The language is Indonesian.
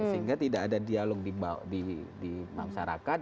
sehingga tidak ada dialog di masyarakat